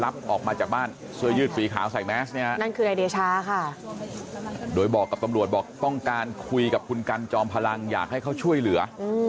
บอกป้องการคุยกับคุณกันจอมพลังอยากให้เขาช่วยเหลือ